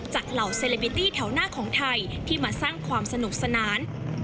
เหล่าเซเลบิตี้แถวหน้าของไทยที่มาสร้างความสนุกสนาน